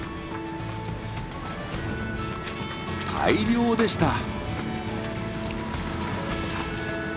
大漁でした！